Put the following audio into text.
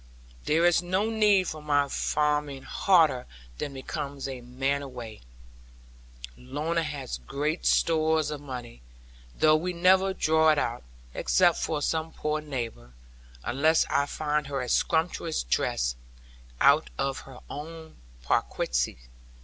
There is no need for my farming harder than becomes a man of weight. Lorna has great stores of money, though we never draw it out, except for some poor neighbor; unless I find her a sumptuous dress, out of her own perquisites.